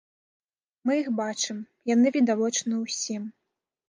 Мы іх бачым, яны відавочны ўсім.